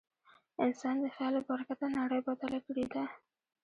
انسان د خیال له برکته نړۍ بدله کړې ده.